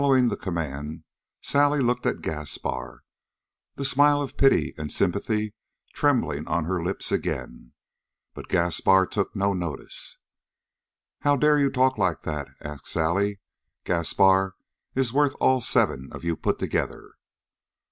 Following the command, Sally looked at Gaspar, the smile of pity and sympathy trembling on her lips again. But Gaspar took no notice. "How dare you talk like that?" asked Sally. "Gaspar is worth all seven of you put together!"